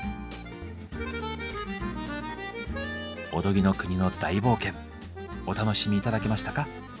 おとぎの国の大冒険お楽しみ頂けましたか？